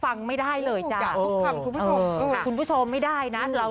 ฟังไม่ได้เลยคุณผู้ชมไม่ได้น่ะ